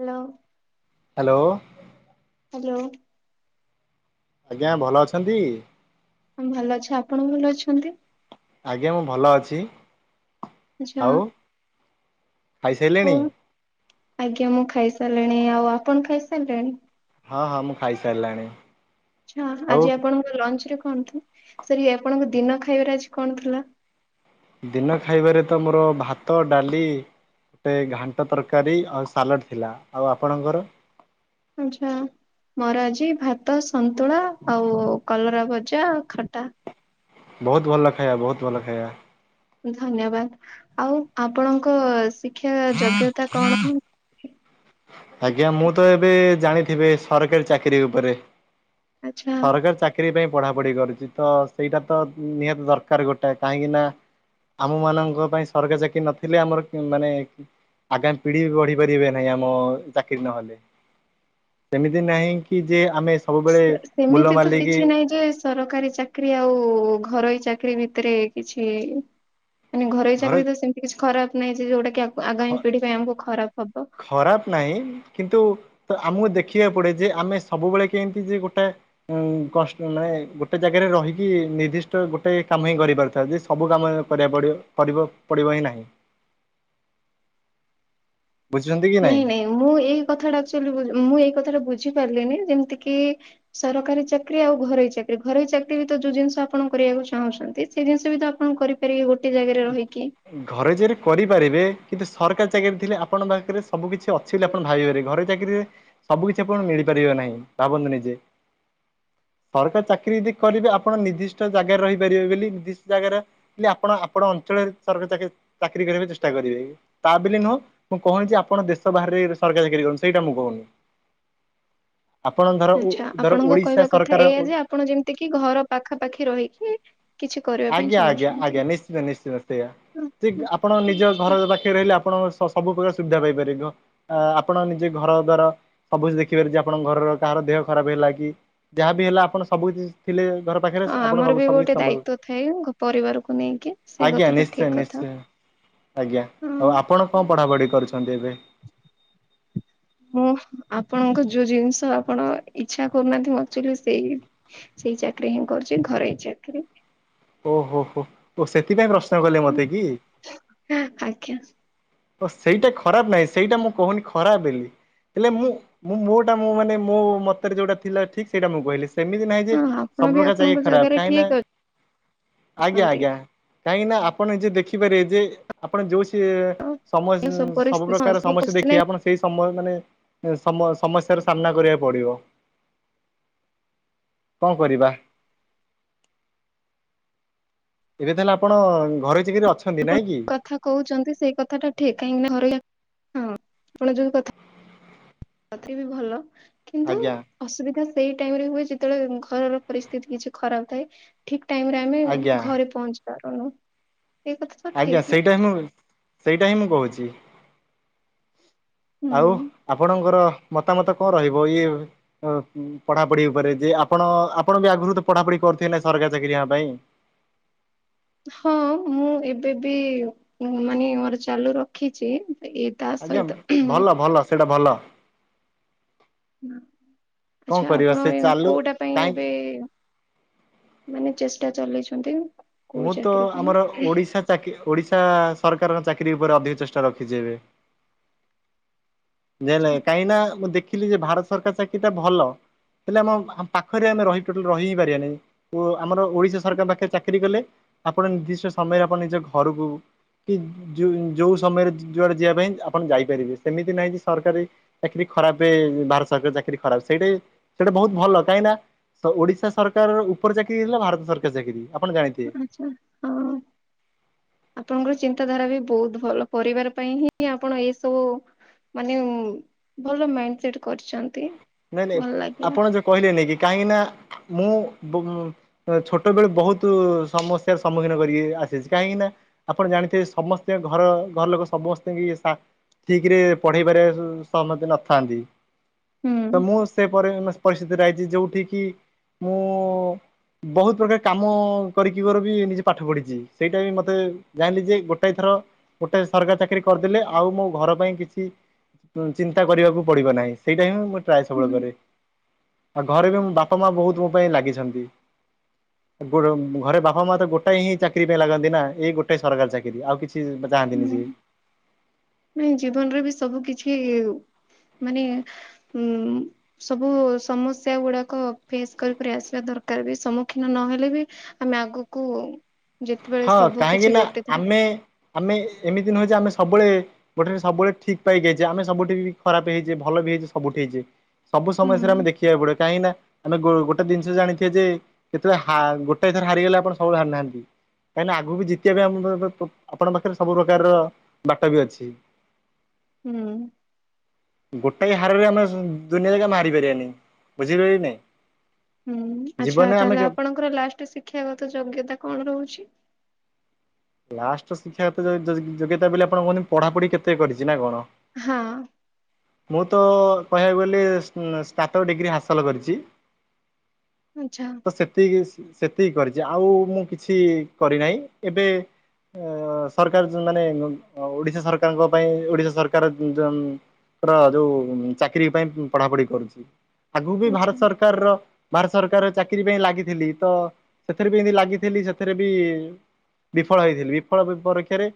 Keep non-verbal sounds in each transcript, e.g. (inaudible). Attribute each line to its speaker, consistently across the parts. Speaker 1: Hello.
Speaker 2: Hello.
Speaker 1: Hello.
Speaker 2: ଆଜ୍ଞା ଭଲ ଅଛନ୍ତି?
Speaker 1: ହ ଭଲ ଅଛି ଆପଣ ଭଲ ଅଛନ୍ତି।
Speaker 2: ଆଜ୍ଞା ମୁଁ ଭଲ ଅଛି।
Speaker 1: ଆଚ୍ଛା।
Speaker 2: ଆଉ
Speaker 1: ହଉ
Speaker 2: ଖାଇସାରିଲେଣି।
Speaker 1: ଆଜ୍ଞା ମୁଁ ଖାଇ ସାରିଲିଣି ଆଉ ଆପଣ ଖାଇସାରିଲେଣି।
Speaker 2: ହଁ ହଁ ମୁଁ ଖାଇସାରଲେଣେ।
Speaker 1: ଆଛା ଆଜି ଆପଣଙ୍କ ଲଞ୍ଚ ରେ ସରି ଆପଣଙ୍କ ଦିନ ଖାଇବାରେ ଆଜି କଣ ଥିଲା?
Speaker 2: ଦିନ ଖାଇବାରେ ତ ମୋର ଭାତ ଡାଲି ଗୋଟେ ଘାଣ୍ଟ ତରକାରୀ ଆଉ ସାଲାଡ଼ ଥିଲା ଆଉ ଆପଣଙ୍କର?
Speaker 1: ଆଚ୍ଛା। ମରାଆଜି ଭାତ ସନ୍ତୁଳା ଆଉ କଲରା ଭଜା ଖଟା।
Speaker 2: ବହୁତ ଭଲ ଖାଇବା ବହୁତ ଭଲ ଖାଇବା।
Speaker 1: ଧନ୍ୟବାଦ ଆଉ ଆପଣଙ୍କ ଶିକ୍ଷା ଯୋଗ୍ୟତା କଣ? (inaudible)
Speaker 2: ଆଜ୍ଞା ମୁଁ ତ ଏବେ ଜାଣିଥିବେ ସରକାରୀ ଚାକିରୀ ଉପରେ
Speaker 1: ଆଚ୍ଛା
Speaker 2: ସରକାରୀ ଚାକିରୀ ପାଇଁ ପଢା ପଢି କରୁଛି ତ ସେଇଟା ତ ନିହାତି ଦରକାର ଗୋଟେ କାହିଁକି ନା ଆମ ମାନଙ୍କ ପାଇଁ ସରକାର ଚାକି ନଥିଲେ ଆମର ମାନେ ଆଗାମୀ ପିଢି ବି ବଢି ପାରିବେ ନାହିଁ ଆମ ଚାକିରି ନହେଲେ ସେମିତି ନାହିଁ କି ଯେ ଆମେ ସବୁବେଳେ
Speaker 1: ସେ
Speaker 2: ମୁଲ
Speaker 1: ସେମିତି ତ
Speaker 2: ମାରିଦେଇକି
Speaker 1: କିଛି ନାହିଁ ଯେ ସରକାରୀ ଚାକିରି ଆଉ ଘରୋଇ ଚାକି ଚାକିରୀ ଭିତରେ କିଛି ମାନେ ଘରୋଇ
Speaker 2: ଘରେ
Speaker 1: ଚାକିରୀ ତ ସେମିତି କିଛି ଖରାପ ନାହିଁ ଯେ ଯୋଉଟା
Speaker 2: ଖ
Speaker 1: ଆଗାମୀ ପିଢି ପାଇଁ ଆମକୁ ଖରାପ ହବ।
Speaker 2: ଖରାପ ନାହିଁ କିନ୍ତୁ ତ ଆମକୁ ଦେଖିବାକୁ ପଡେ ଯେ ଆମେ ସବୁବେଳେ କେମିତି ଯେ ଗୋଟେ କଷ୍ଟ ନାଇଁ ଗୋଟେ ଜାଗାରେ ରହିକି ନିର୍ଦ୍ଦିଷ୍ଟ ଗୋଟେ କାମ ହିଁ କରିପାରିଥାଏ ଯେ ସବୁ କାମ କରିବାକୁ ପଡିବ ପଡିବ ପଡିବ ହିଁ ନାହିଁ।
Speaker 1: (inaudible)
Speaker 2: ବୁଝୁଛନ୍ତି କି
Speaker 1: ନାଇଁ ନାଇଁ ମୁଁ ଏଇ କଥା ଆକଚୁଲି ମୁଁ ଏଇ କଥାଟା ବୁଝି ବୁଝି ପାରିଲେନି ଯେମିତି କି ସରକାରୀ ଚାକିରି ଆଉ ଘରୋଇ ଚାକିରି ଘରୋଇ ଚାକିର ତ ଯୋଉ ଜିନିଷ ଆପଣ କରି କରିବାକୁ ଚାହୁଁଛନ୍ତି ସେ ଜିନିଷ ବି ତ ଆପଣ କରିପାରିବେ ଗୋଟେ ଜାଗାରେ ରହିକି।
Speaker 2: ଘରେ ଯରେ କରିପାରିବେ କିନ୍ତୁ ସରକାର ଚାକିରି ଥିଲେ ଆପଣଙ୍କ ପାଖରେ ସବୁ କିଛି ଅଛିଲେ ଆପଣ ଭିବିପାରିବେ ଘରେ ଚାକିରିରେ ସବୁ କିଛି ଆପଣ ମିଳିପାରିବେ ନାହିଁ ଭାବନ୍ତୁ ନିଜେ ସରକାରୀ ଚାକିରୀ ଯଦି କରିବେ ଆପଣ ନିର୍ଦ୍ଦିଷ୍ଟ ଜାଗାରେ ରହିପାରିବେ ବେଲି ନିର୍ଦ୍ଦିଷ୍ଟ ଜାଗାରେ ବୋଲି ଆପଣ ଆପ ଆପଣ ଅଞ୍ଚଳରେ ସରକାରୀ ଚାକିରୀ ଚାକିରୀ କରିବାକୁ ଚେଷ୍ଟା କରିବେ। ତା ବୋଲି ନୁହଁ ମୁଁ କହୁନି ଯେ ଆପଣ ଦେଶ ବାହାରେ ରେ ସରକାରୀ ଚାକିରୀ କରନ୍ତୁ ସେଇଟା ମୁଁ କହୁନି। ଆପଣ ଧର ଓ
Speaker 1: ଆଚ୍ଛା।
Speaker 2: ଧର
Speaker 1: ଆପଣଙ୍କ
Speaker 2: ଓଡିଶା
Speaker 1: କହିବା କଥା
Speaker 2: ସରକାର
Speaker 1: ଏଇଆ ଯେ ଆପଣ ଯେମିତି କିି ଘର ପାଖାପାଖି ରହିକି କିଛି କରିବା ପାଇଁ
Speaker 2: ଆଜ୍ଞା ଆଜ୍ଞା
Speaker 1: ଚାହୁଁଛନ୍ତି।
Speaker 2: ଆଜ୍ଞା ନିଶ୍ଚିତ ନିଶ୍ଚିତ ସେୟା। ଚିକ୍ ଆପଣ ନିଜ ଘର ପାଖରେ ରହିଲେ ଆ ଆପଣଙ୍କ ସ-ସବୁ ପ୍ରକାର ସୁବିଧା ପାଇପାରିବେ। ଆ-ଆପଣ ନିଜେ ଘର ଦ୍ଵାର ସବୁ କିଛି ଦେଖିପାରେବେ ଯେ ଆପଣଙ୍କ ଘର ଘରର କାହାର ଦେହ ଖରାପ ହେଲା କି, ଯାହାବି ହେଲା ଆପଣ ସବୁ କିଛି ଥିଲେ ଘର ପାଖରେ
Speaker 1: ହଁ
Speaker 2: ଆପଣ
Speaker 1: ଆମର
Speaker 2: ସବୁ
Speaker 1: ବି
Speaker 2: ସବୁ କିଛି
Speaker 1: ଗୋଟେ
Speaker 2: ସମ୍ଭବ
Speaker 1: ଦାୟିତ୍ୱ ଥାଏ ପରିବାରକୁ ନେଇ କି ସେଇ
Speaker 2: ଆଜ୍ଞା
Speaker 1: କଥା ତ
Speaker 2: ନିଶ୍ଚୟ
Speaker 1: ଠିକ କଥା।
Speaker 2: ନିଶ୍ଚୟ। ଆଜ୍ଞା
Speaker 1: ହଁ।
Speaker 2: ଆଉ ଆପଣ କଣ ପଢାପଢି କରୁଛନ୍ତି ଏବେ?
Speaker 1: ମୁଁ ଆପଣଙ୍କ ଯୋଉ ଜିନଷ ଆପଣ ଇଚ୍ଛା କରୁନାହାଁନ୍ତି, ମୁଁ ଆକ୍ଚୁଆଲି ସେଇ ସେଇ ଚାକିରୀ ହିଁ କରୁଛି ଘରୋଇ ଚାକି ଏଥିରେ
Speaker 2: ଓହୋ ହୋ। ଓ ସେଥିପାଇଁ ପ୍ରଶ୍ନ କଲେ ମତେ କି?
Speaker 1: ଆଜ୍ଞା
Speaker 2: ତ ସେଇଟା ଖରାପ ନାହିଁ ସେଇଟା ମୁଁ କହୁନି ଖରାପ ବେଲି ହେଲେ ମୁଁ ମୁଁ ମୋଟା ମୁଁ ମାନେ ମୋ ମତରେ ଯୋଉଟା ଥିଲା ଠିକ ସେଇଟା ମୁଁ କହିଲି। ସେମିତି ନାହିଁ ଯେ
Speaker 1: ହଁ ଆପଣ ବି
Speaker 2: ସବୁପ୍ରକାର ଚାକିରୀ
Speaker 1: ଆପଣଙ୍କ
Speaker 2: ଖରାପ
Speaker 1: ଜାଗାରେ
Speaker 2: କାହିଁକିନା
Speaker 1: ଠିକ
Speaker 2: ଆଜ୍ଞା
Speaker 1: ଅଛନ୍ତି।
Speaker 2: ଆଜ୍ଞା। କାହିଁକି ନା ଆପଣ ନିଜେ ଦେଖିପାରିବେ ଯେ, ଆପଣ ଯୋଉ ସେ ସମୁ ଅସ୍
Speaker 1: ଏ
Speaker 2: ସବୁ
Speaker 1: ପରିସ୍ଥିତି
Speaker 2: ପ୍ରକାର ସମସ୍ୟା
Speaker 1: ପରିସ୍ଥିତି
Speaker 2: ଦେଖିବେ ଆପଣ ସେଇ ସମୟ ମାନେ ସମୁଅ ସମସ୍ୟାର ସାମ୍ନା କରିବାକୁ ପଡିବ। କଣ କରିବା? ଏବେ ତାହେଲେ ଆପଣ ଘରେ
Speaker 1: ଆପଣ ଯୋଉଁ କଥା କହୁଛନ୍ତି ସେଇ କଥାଟା ଠିକ୍। କାହିଁକି ନା ଘରୋଇ ହଁ ଆପଣ ଯୋଉ କଥା ତଥାପି ବି ଭଲ କିନ୍ତୁ
Speaker 2: ଆଜ୍ଞା
Speaker 1: ଅସୁବିଧା ସେଇ ଟାଇମରେ ହୁଏ ଯେତେବେଳେ ଘରର ପରିସ୍ଥିତି କିଛି ଖରାପ ଥାଏ, ଠିକ ଟାଇମରେ ଆମେ
Speaker 2: ଆଜ୍ଞା।
Speaker 1: ଘରେ ପହଞ୍ଚି ପାରୁନୁ। ଏଇ କଥା ତ
Speaker 2: ଆଜ୍ଞା।
Speaker 1: ଠିକ
Speaker 2: ସେଇଟା ହିଁ ମୁଁ ସେଇଟା ହିଁ ମୁଁ କହୁଛି। ଆଉ
Speaker 1: ହୁଁ।
Speaker 2: ଆପଣଙ୍କର ମତାମତ କଣ ରହିବ ଇଏ ପଢାପଢି ଉପରେ ଯେ, ଆପଣ ଆପଣ ବି ଆଗରୁ ତ ପଢାପଢି କ କରିଥିବେ ନା ସରକାରୀ ଚାକିରିଆଙ୍କ ପାଇଁ।
Speaker 1: (inaudible) ହଁ ମୁଁ ଏବେ ବି ମାନେ ମୋର ଚାଲୁ ରଖିଛି ଇଏ
Speaker 2: ଆଜ୍ଞା
Speaker 1: ତାସହିତ
Speaker 2: ଭଲ ଭଲ ସେଇଟା ଭଲ କଣ
Speaker 1: ଆଚ୍ଛା।
Speaker 2: କରିବା
Speaker 1: ଆପଣ
Speaker 2: ସେ ଚାଲୁ
Speaker 1: କୋଉଟା ପାଇଁ
Speaker 2: କାହିଁକି
Speaker 1: ଏବେ ମାନେ ଚେଷ୍ଟା ଚଲେଇଛନ୍ତି? କୋଉ
Speaker 2: ମୁଁ ତ
Speaker 1: ଚାକିରି ପାଇଁ
Speaker 2: ଆମର ଓଡିଶା ଚାକିରୀଓଡିଶା ସରକାରଙ୍କ ଚାକିରୀ ଉପରେ ଅଧିକ ଚେଷ୍ଟା ରଖିଛି ଏବେ। ଯେ ନାଇଁ କାହିଁକି ନା ମୁଁ ଦେଖିଲି ଯେ ଭାରତ ସରକାର ଚାକିରୀଟା ଭଲ। ହେଲେ ଆମ ଆମ ପାଖରେ ଆମେ ରହି ଟୋଟାଲି ରହି ହିଁ ପାରିଆନେଇଁ। ଓ ଆମର ଓଡିଶା ସରକାରଙ୍କ ପାଖରେ ଚାକି ଚାକିରୀ କଲେ, ଆପଣ ନିର୍ଦ୍ଦିଷ୍ଟ ସମୟରେ ଆପଣ ନିଜ ଘରକୁ କି ଯୋ-ଯୋଉ ସମୟରେ ଯୁଆଡେ ଯିବା ପାଇଁ ଆପଣ ଯାଇପାରିବେ, ସେମିତି ନାହିଁ କି ସରକାରୀ ଚାକିରୀ ଖରାପେ ଭାରତ ସରକାର ଚାକିରୀ ଖରାପ। ସେଇଟା ହିଁ ସେଇଟା ବହୁତ ଭଲ କାହିଁକିନା ତ ଓଡିଶା ସରକାରର ଉପର ଚାକିରୀ ହେଲା ଭାରତ ସରକାର ଚାକିରୀ।
Speaker 1: ଆଚ୍ଛା ହଁ। ଆପଣଙ୍କର ଚିନ୍ତ ଚିନ୍ତାଧାରା ବି ବହୁତ ଭଲ। ପରିବାର ପାଇଁ ହିଁ ଆପଣ ଏଇ ସବୁ ମାନେ ଭଲ ମାଇଣ୍ଡ ସେଟ କରିଛନ୍ତି
Speaker 2: ନାଇଁ ନାଇଁ
Speaker 1: ଭଲ ଲାଗିଲା
Speaker 2: ଆପଣ ଯୋଉ କହିଲେନେଇ କି କାହିଁକିନା ମୁଁ ବୁ ଛୋଟବେଳୁ ବହୁତ ସମସ୍ୟାର ସମ୍ମୁଖୀନ କରିକି ଆସିଛି, କାହିଁକିନା ଆପଣ ଜାଣିଥିବେ ସମସ୍ତେ ଘର ଘର ଲୋକ ସମସ୍ତିଙ୍କି ସାଆ ଠିକ ରେ ପଢେଇବାରେ ସହମତି ନଥାନ୍ତି
Speaker 1: ହୁଁ।
Speaker 2: (inaudible) ତ ମୁଁ ସେପରେ ପରିସ୍ଥିତି ରହିଛି ଯୋଉଠ କିି ମୁଁ ବହୁତ ପ୍ରକାର କାମ କରିକି ମୋର ବି ନିଜେ ପାଠ ପଢିଛି, ସେଇଟା ବି ମତେ ଜାଣିଲି ଯେ ଗୋଟାଏ ଥର ଗୋଟେ ସରକାରୀ ଚାକିରି କରିଦେଲେ ଆଉ ମୋ ଘର ପାଇଁ କିଛି ଚିନ୍ତା କରିବାକୁ ପଡିବ ନାହିଁ, ସେଇଟା ହିଁ ମୁଁ ଟ୍ରାଏ ସବୁବେଳେ
Speaker 1: ହୁଁ
Speaker 2: କରେ। ଆଉ ଘରେ ବି ବାପା ମା ବହୁତ ମୋ ପାଇଁ ଲାଗିଛନ୍ତି। ଗୋ ଘରେ ବାପା ମା ତ ଗୋଟାଏ ହିଁ ଚାକିରି ପାଇଁ ଲାଗନ୍ତି ନା, ଏଇ ଗୋଟା ସରକାରୀ ଚାକିରି ଆଉ କିଛି ଚାହାନ୍ତିନି ସେ।
Speaker 1: ହୁଁ ନାଇଁ ଜୀବନରେ ବି ସବୁ କିଛି। ମାନେ ଉଁ ସବୁ ସମସ୍ୟା ଗୁଡାକ ଫେସ୍ କରିିକରି ଆସିବା ଦରକାର ଦରକାର ବି ସମ୍ମୁଖୀନ ନହେଲେ ବି ଆମେ ଆଗକୁ ଯେତେବେଳେ
Speaker 2: ହଁ
Speaker 1: ସବୁ
Speaker 2: କାହିଁକି
Speaker 1: କିଛି
Speaker 2: ନା
Speaker 1: ଗୋଟେ ଥର
Speaker 2: ଆମେ ଆମେ ଏମିତି ନହଉ ଯେ ଆମେ ସବୁବେଳେ ଗୋଟେ ସବୁବେଳେ ଠିକ ପାଇକି ହେଇେ ଆମେ ସବୁଠି ବି ଖରାପ ହେଇଛେ, ଭଲ ବି ହେଇଛେ ସବୁଠି ହେଇଛେ ସବୁ
Speaker 1: ହୁଁ
Speaker 2: ସମସ୍ୟାରେ ଆମେ ଦେଖିବାକୁ ପଡିବ କାହିଁକି ନା ଆମେ ଗୋଟେ ଜିନିଷ ଜାଣିଥିବେ ଯେ କେତେବେଳେ ଗୋଟେ ଏଇଥର ହାରିଗଲେ ଆପଣ ସବୁବେଳେ ହାରିନାହାନ୍ତି କାହିଁକିନା ଆଗକୁ ବି ଜିତିବା ପାଇଁ ଆମ ଆପଣଙ୍କ ପାଖରେ ସବୁ ପ୍ରକାରର ବାଟ ବି ଅଛି।
Speaker 1: ହୁଁ।
Speaker 2: ଗୋଟାକ ହାରରେ ଆମେ ଦୁନିଆ ଜାଗା ଆମେ ହାରିପାରିବାନି, ବୁଝିପାରିଲ ନାଇଁ।
Speaker 1: ହୁଁ ଆଚ୍ଛା
Speaker 2: ଜୀବନରେ ଆମେ
Speaker 1: ତାହଲେ ଆପଣଙ୍କର ଲାଷ୍ଟ ଶିକ୍ଷାଗତ ଯୋଗ୍ୟତା କଣ ରହୁଛି?
Speaker 2: ଲାଷ୍ଟ ଶିକ୍ଷାଗତ ଯୋଗ୍ୟତା ବୋଲି ଆପଣ କୁହନ୍ତି ପଢାପଢି କେତେ କରିଛି ନା କଣ?
Speaker 1: ହଁ।
Speaker 2: ମୁଁ ତ କହିବାକୁ ଗଲି ସ୍ନାତକ ଡିଗ୍ରୀ ହାସଲ କରିଛି।
Speaker 1: ଆଚ୍ଛା
Speaker 2: ତ ସେତିକି, ସେତିକି କରିଛି। ଯେ ଆଉ ମୁଁ କିଛି କରିନାହିଁ ଏବେ ଅ ସରକାର ମାନେ ଓଡିଶା ସରକାରଙ୍କ ପାଇଁ, ଓଡିଶା ସରକାର ପ ଯୋଉ ଚାକିରି ପାଇଁ ପଢାପଢି କରୁଛି। ଆଗୁ ବି
Speaker 1: ଆଚ୍ଛା
Speaker 2: ଭାରତ ସରକାରର, ଭାରତ ସରକାର ଚାକିରୀ ପାଇଁ ଲାଗିଥିଲି, ତ ସେଥିରେ ବି ଏମିତି ଲାଗିଥିଲି ସେଥିରେ ବି ବିଫଳ ହେଇଥିଲି, ବିଫଳ ପରୀକ୍ଷରେ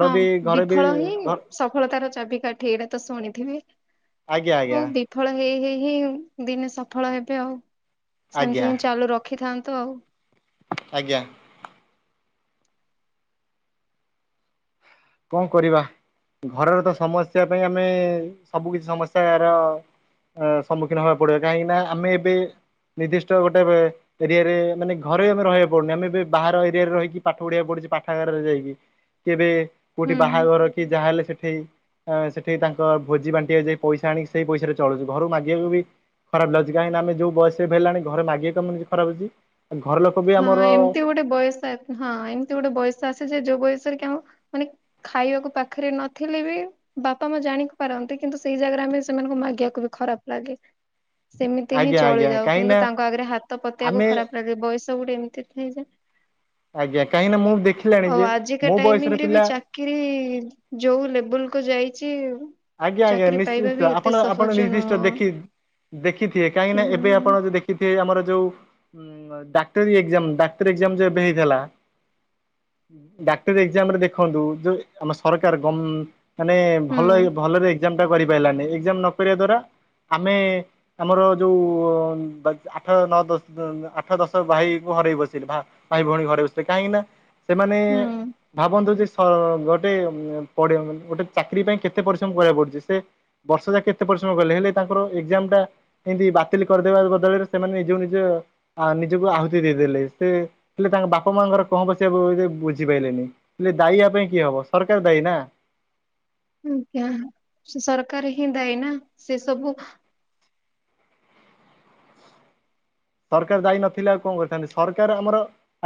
Speaker 1: ହଁ ବିଫଳ ହିଁ ସଫଳତାର ଚାବିକାଠି ଏଇଟା ତ ଶୁଣିଥିବେ।
Speaker 2: ଆଜ୍ଞା ଆଜ୍ଞା
Speaker 1: ହଉ ବିଫଳ ହେଇ ହେଇ ଦିନେ ସଫଳ ହେବେ ଆଉ
Speaker 2: ଆଜ୍ଞା
Speaker 1: ସେମିତି ହିଁ ଚାଲୁ ରଖିଥାନ୍ତୁ ଆଉ।
Speaker 2: ଆଜ୍ଞା। କଣ କରିବା? ଘରର ତ ସମସ୍ୟା ପାଇଁ ଆମେ ସବୁ କିଛି ସମସ୍ୟାର ଅ ସମ୍ମୁଖୀନ ହେବା ପଡିବ କାହିଁକି ନା ଆମେ ଏବେ ନିର୍ଦ୍ଦିଷ୍ଟ ଗୋଟେ ଏରିଆରେ ମାନେ ଘରେ ଆମେ ରହିବା ପଡୁନି, ଆମେ ଏବେ ବାହାର ଏରିଆରେ ରହିକି ପାଠ ପଢିବାକୁ ପଡୁ ପାଠାଗାରରେ ଯାଇକି, କେବେ କୋଉଠି
Speaker 1: ହୁଁ।
Speaker 2: ବାହାଘର କି ଯାହା ହେଲେ ସେଠେଇ ସେଠେଇ ତାଙ୍କ ଭୋଜି ବାଣ୍ଟିିବା ଯାଇ ପଇସା ଆଣିକି ସେଇ ପଇସା ରେ ଚଳୁଛି, ଘରୁକୁ ମାଗିବାକୁ ବି ଖରାପ ଲାଗୁଛି କାହିଁକି ଆମେ ଯୋଉ ବୟସ ବି ହେଲାଣି ଘରେ ମାଗିବାକୁ ବି ଖରାପ ଲାଗୁଚି।
Speaker 1: ହଁ ଏମିତି ଗୋଟେ ବୟସ, ହଁ ଏମିତି ଗୋଟେ ବୟସ ଆସେ ଯେ ଯୋଉ ବୟସ ଆ ମାନେ ଖାଇବାକୁ ପାଖରେ ନଥିଲେ ବି ବାପା ମା ଜାଣି ପାରନ୍ତି କିନ୍ତୁ ସେଇ ଜାଗାଟା ଆମେ ସେମାନଙ୍କୁ ମାଗିବାକୁ ବି ଖରାପ ଲାଗେ। ସେମିତି ହିଁ
Speaker 2: ଆଜ୍ଞା ଆଜ୍ଞା
Speaker 1: ଚଳିଯାଉ
Speaker 2: କାହିଁକି
Speaker 1: କିନ୍ତୁ
Speaker 2: ନା
Speaker 1: ତାଙ୍କ ଆଗରେ ହାତ ପତଆକୁ
Speaker 2: ଆମେ
Speaker 1: ଖରାପ ଲାଗେ ବୟସ୍ ସେଟ ଏମିତି ହୋଇଁ ଯେ (inaudible)
Speaker 2: ଆଜ୍ଞା କାହିଁକି ନା ମୁଁ ଦେଖିଲାଣି
Speaker 1: ଆଉ
Speaker 2: ଯେ
Speaker 1: ଆଜିକା
Speaker 2: ମୋ
Speaker 1: ଟାଇମିଂ
Speaker 2: ବୟସର
Speaker 1: ରେ ବି
Speaker 2: ପିଲା
Speaker 1: ଚାକିରି ଯୋଉ ଲେବୁଲ କୁ ଯାଇଛି
Speaker 2: ଆଜ୍ଞା, ଆଜ୍ଞା,
Speaker 1: ଚାକିରି ପାଇବା ବି
Speaker 2: ନିଶ୍ଚିନ୍ତ
Speaker 1: ଏତେ
Speaker 2: ଆପଣ ଆପଣ
Speaker 1: ସହଜ
Speaker 2: ନିର୍ଦ୍ଦିଷ୍ଟ
Speaker 1: ନୁହଁ।
Speaker 2: ଦେଖି ଦେଖିଥିବେ କାହିଁକି ନା, ଏବେ ଆପଣ ଯ ଦେଖିଥିବେ ଆମର ଯେଉଁ ଉ‌ ଡାକ୍ତରି ଏକଯାମ‌ ଡାକ୍ତରି ଏକଯାମ, ଯୋଉ ଏବେ ହେଇଥିଲା। ଡାକ୍ତରୀ ଏକଜାମରେ ଦେଖନ୍ତୁ ଯୋଉ ଆମ ସରକାର ଗମ ମାନେ ଭଲଇ
Speaker 1: ହୁଁ
Speaker 2: ଏକଜାମ ଟା କରିପାରିଲାନି ଏକଜାମ ନ କରିବା ଦ୍ୱାରା ଆମେ ଆମର ଯୋଉ ଆଠ ନଅ ଦଶ ଆଠ ଦଶ ଭାଇ ଘରେବି ବସିଲୁ ଭା ଭାଇ ଭଉଣୀ ଘରେ ବସିଲ କାହିଁକି ନା ସେମାନେ
Speaker 1: ହୁଁ
Speaker 2: ଭାବନ୍ତୁ ଯେ ଗୋଟେ (unintelligible) ଗୋଟେ ଚାକିରୀ ପାଇଁ କେତେ କେତେ ପରିଶ୍ରମ କରିବାକୁ ପଡୁଛି ସେ ବର୍ଷ ଯାକ କେତେ ପରିଶ୍ରମ କଲେଣି ହେଲେ ତାଙ୍କର ଏକ୍ଜାମ ଟା ଏମିତି ବାତିଲ କରିଦେବେ ବଦଳରେ ସେମାନେ ନିଜକୁ ନିଜ ନିଜକୁ ଆହୁତି ଦେଇଦେଲେ ସେ ହେଲେ ତାଙ୍କ ବାପା ମାଙ୍କର କଣ ପ ସେ ବୁଝିପଲେନି ହେଲେ ଦାୟୀ ଆ ପାଇଁ କିଏ ହବ ସରକାର ଦାୟୀ ନା
Speaker 1: ଆଜ୍ଞା ସରକାର ହିଁ ଦାୟୀ ନା ସେ ସବୁ (inaudible)
Speaker 2: ସରକାର ଯାଇ ନଥିଲେ ଆଉ କଣ କରିଥାନ୍ତେ ସରକାର ଆମର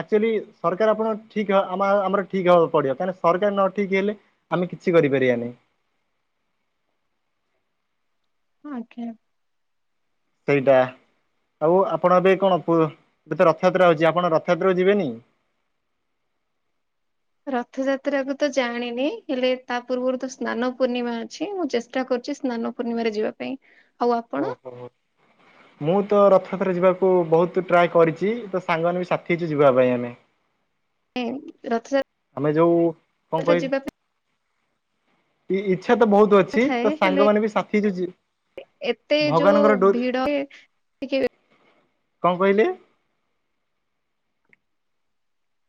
Speaker 2: ଆକ୍ଚୁଆଲି ସରକାର ଆପଣ ଠିକ ଆମ ଆମର ଠିକ ହବାକୁ ପଡିବ କାହିଁକିନା ସରକାର ନ ଠିକ ହେଲେ ଆମେ କିଛି କରିପାରିଆ ନାହିଁ।
Speaker 1: ଆଜ୍ଞା।
Speaker 2: ସେଇଟା। ଆଉ ଆପଣ ଏବେ କଣ ପ ଏବେ ତ ରଥଯାତ୍ରା ଅଉଛି ଆପଣ ରଥଯାତ୍ରା କୁ ଯିବେନି?
Speaker 1: (inaudible) ରଥଯାତ୍ରା କୁ ତ ଜାଣିନି ହେଲେ ତା ପୂର୍ବରୁ ତ ସ୍ନାନ ପୂର୍ଣ୍ଣିମା ଅଛି ମୁଁ ଚେଷ୍ଟା କରୁ ଛି ସ୍ନାନ ପୂର୍ଣ୍ଣିମାରେ ଯିବା ପାଇଁ। ଆଉ ଆପଣ
Speaker 2: ଓହୋ ମୁଁ ତ ରଥଯାତ୍ରାରେ ଯିବାକୁ ମୁଁ ବହୁତ ଟ୍ରାଏ କରିଛି ତ ସାଙ୍ଗମାନେ ବି ସାଥି ହେଇଛୁ ଯିବା ପାଇଁ ଆମେ।
Speaker 1: ରଥଯାତ
Speaker 2: ଆମେ ଯୋଉ କଣ କହିଲ? ଇ୍ଛା ତ ବହୁତ
Speaker 1: ପାଇଁ
Speaker 2: ଅଛି
Speaker 1: ଥାଏ
Speaker 2: ତ
Speaker 1: ହେଲେ
Speaker 2: ସାଙ୍ଗମାନେ ବି ସାଥି
Speaker 1: ଏତେ ଯୋଉ
Speaker 2: ଭଗବାନଙ୍କର ଡୋରି
Speaker 1: ଭିଡ
Speaker 2: କଣ କହିଲେ।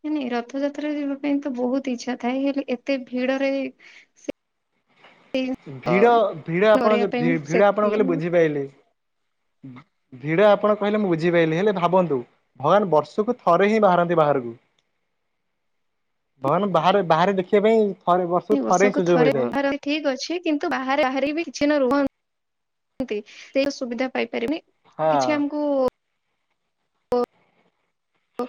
Speaker 1: ନ ନାଇଁ ରଥଯାତ୍ରା ଯିବା ପାଇଁ ତ ବହୁତ ଇଛା ଥାଏ ହେଲେ ଏତେ ଭିଡରେ ସେଇ ଧ
Speaker 2: ଭିଡ ଭିଡ ଆପଣ
Speaker 1: ଧରେଇବା
Speaker 2: ଯୋଉ
Speaker 1: ପାଇଁ
Speaker 2: ଭି
Speaker 1: ମୁଁ
Speaker 2: ଭିଡ ଆପଣ
Speaker 1: ସେତିକି
Speaker 2: କହିଲେ ବୁଝିପାଇଲି।
Speaker 1: (inaudible)
Speaker 2: ଭିଡ ଆପଣ କହିଲେ ମୁଁ ବୁଝିପାଇଲିି ହେଲେ ଭାବନ୍ତୁ ଭଗବାନ ବର୍ଷକୁ ଥରେ ହିଁ ବାହାରନ୍ତି ବାହାରକୁ।
Speaker 1: (inaudible)
Speaker 2: ଭାଗବାନ ବାହାରେ ବାହାରେ ଦେଖିବା ପାଇଁ ଥରେ ହିଁ
Speaker 1: ବର୍ଷକୁ
Speaker 2: ସୁଯୋଗ
Speaker 1: ଥରେ
Speaker 2: ମିଳିଥାଏ।
Speaker 1: ବାହାରନ୍ତି ଠିକ ଅଛି କିନ୍ତୁ ବାହାରେ ବାହାର ବି କିଛି ନା ରୁହନ୍ତି ସେ ସୁବିଧା ପାଇପାରିନି।
Speaker 2: ହଁ
Speaker 1: କିଛି ଆମକୁ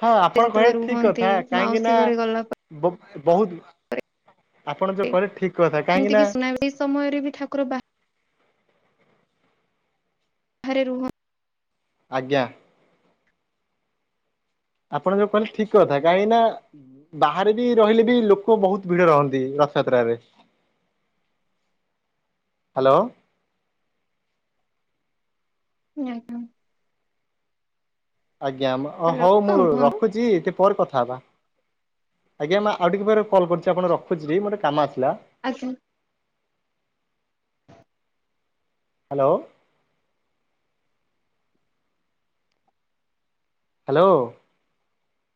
Speaker 2: ହଁ ଆପଣ
Speaker 1: ଯେତେବେଳେ
Speaker 2: କହିବା ଠିକ
Speaker 1: ରୁହନ୍ତି
Speaker 2: କଥା କାହିଁକି
Speaker 1: ମାଉସୀ
Speaker 2: ନା
Speaker 1: ଘରେ ଗଲା
Speaker 2: ବ ବହୁତ ଆପଣ ଯୋଉ
Speaker 1: ପରେ
Speaker 2: କହେ ଠିକ। କଥା କାହିଁକି
Speaker 1: ଏମିତି
Speaker 2: ନା
Speaker 1: କିି (unintelligible) ସମୟରେ ବି ଠାକୁର ବାହା ହରେ ରୁହ
Speaker 2: ଆଜ୍ଞା। ଆପଣ ଯୋଉ କହିଲେ ଠିକ କଥା କାହିଁକି ନା ବାହାରେ ବି ରହିଲେ ବି ଲୋକ ବହୁତ ଭିଡ ରହନ୍ତି। ରଥଯାତ୍ରାରେ
Speaker 1: (inaudible)
Speaker 2: ହ୍ୟାଲୋ।
Speaker 1: ଆଜ୍ଞା।
Speaker 2: ଆଜ୍ଞା
Speaker 1: ହ୍ୟାଲୋ
Speaker 2: ହଉ ମୁଁ
Speaker 1: ହଁ କୁହନ୍ତୁ
Speaker 2: ରଖୁଛିଥି ପରେ କଥା ହବା ଆଜ୍ଞା ମା ଆଉ ଟିକେ ପରେ କଲ୍ କରୁଛି ଆପଣ ରଖୁଛି ମୋଟେ କାମ ଆସଛି
Speaker 1: ଆଜ୍ଛା।
Speaker 2: ହ୍ୟାଲୋ। ହ୍ୟାଲୋ